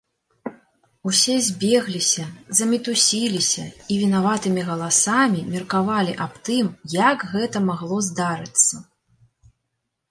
Усе збегліся, замітусіліся і вінаватымі галасамі меркавалі аб тым, як гэта магло здарыцца.